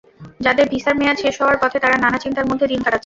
যাঁদের ভিসার মেয়াদ শেষ হওয়ার পথে, তাঁরা নানা চিন্তার মধ্যে দিন কাটাচ্ছেন।